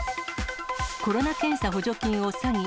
コロナ検査補助金を詐欺。